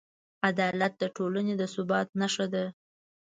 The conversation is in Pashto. عدالت د ټولنې د ثبات نښه ده.